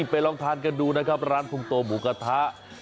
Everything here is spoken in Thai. ไปลองทานกันดูนะครับร้านพุงโตหมูกระทะ